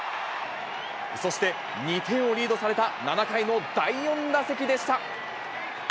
そして、２点をリードされた７回の第４打席でした。